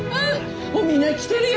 もうみんな来てるよ。